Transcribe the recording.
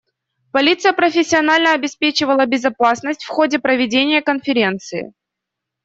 Полиция профессионально обеспечивала безопасность в ходе проведения конференции.